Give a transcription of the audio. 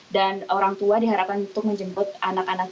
dan orang tua diharapkan untuk menjemput anak anak